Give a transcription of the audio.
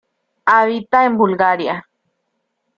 Habita en Bulgaria.